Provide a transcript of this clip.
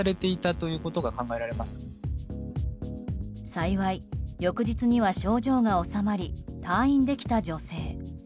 幸い、翌日には症状が治まり退院できた女性。